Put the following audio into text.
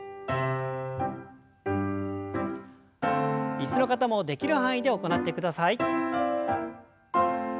椅子の方もできる範囲で行ってください。